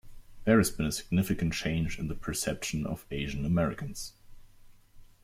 There has been a significant change in the perceptions of Asian Americans.